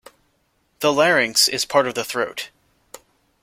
The larynx is part of the throat.